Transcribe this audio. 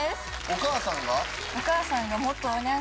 お母さんが？